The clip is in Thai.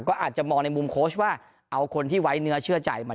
ก็อาจจะมองในมุมโค้ชว่าเอาคนที่ไว้เนื้อเชื่อใจมัน